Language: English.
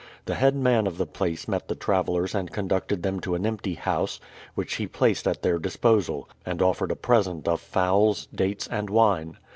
The head man of the place met the travelers and conducted them to an empty house, which he placed at their disposal, and offered a present of fowls, dates, and wine.